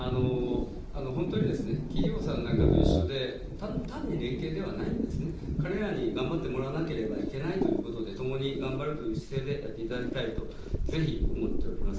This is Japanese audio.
本当に企業さんなんかと一緒で、単に連携ではないんですね、彼らに頑張ってもらわなければいけないということで、共に頑張るという姿勢でやっていただきたいと、ぜひ思っております。